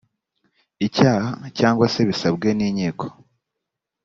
icyaha cyangwa se bisabwe n inkiko